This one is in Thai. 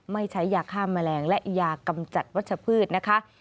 ไม่ใช้ยาฆ่าแมลงและยากำจัดวัชพืชนะคะ